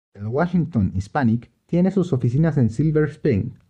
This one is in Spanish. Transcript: El "Washington Hispanic" tiene sus oficinas en Silver Spring.